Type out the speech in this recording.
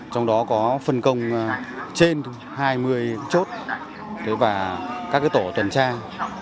trong đó có phân công trên hai mươi chốt và các tổ tuần trang